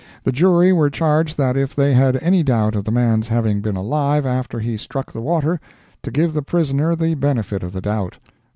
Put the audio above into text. The jury were charged that if they had any doubt of the man's having been alive after he struck the water, to give the prisoner the benefit of the doubt.